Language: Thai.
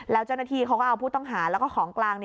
แล้วเจ้าหน้าที่เขาก็เอาผู้ต้องหาแล้วก็ของกลาง